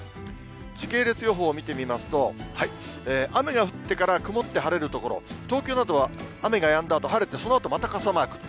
時系列予報を見てみますと、雨が降ってから曇って晴れる所、東京などは雨がやんだあと晴れてそのあとまた、傘マークと。